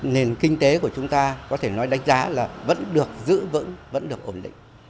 nền kinh tế của chúng ta có thể nói đánh giá là vẫn được giữ vững vẫn được ổn định